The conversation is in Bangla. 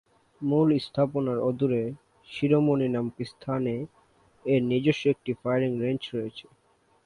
মূল স্থাপনার অদূরে শিরোমণি নামক স্থানে এর নিজস্ব একটি ফায়ারিং রেঞ্জ রয়েছে।